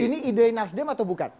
ini ide nasdem atau bukan